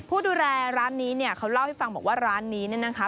ผู้ดูแลร้านนี้เนี่ยเขาเล่าให้ฟังบอกว่าร้านนี้เนี่ยนะคะ